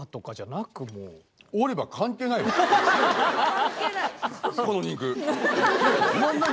関係ない。